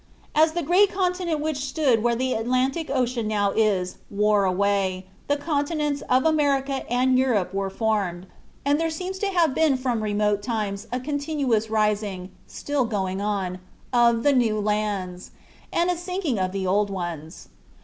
As the great continent which stood where the Atlantic Ocean now is wore away, the continents of America and Europe were formed; and there seems to have been from remote times a continuous rising, still going on, of the new lands, and a sinking of the old ones.